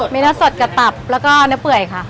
มีเนื้อสดกระตับแล้วก็เนื้อเปื่อยค่ะ